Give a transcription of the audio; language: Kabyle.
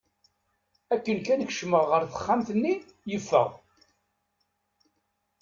Akken kan kecmeɣ ɣer texxamt-nni, yeffeɣ.